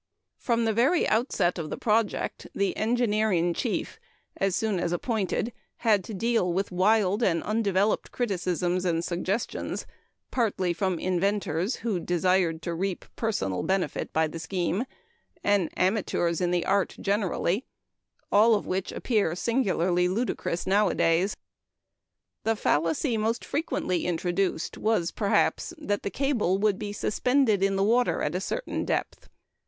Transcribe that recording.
From the very outset of the project the engineer in chief (as soon as appointed) had to deal with wild and undeveloped criticisms and suggestions, partly from "inventors," who desired to reap personal benefit by the scheme, and amateurs in the art generally, all of which appear singularly ludicrous nowadays. The fallacy most frequently introduced was, perhaps, that the cable would be suspended in the water at a certain depth.